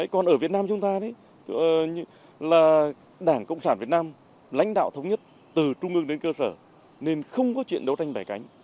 còn ở việt nam chúng ta là đảng cộng sản việt nam lãnh đạo thống nhất từ trung ương đến cơ sở nên không có chuyện đấu tranh đại cánh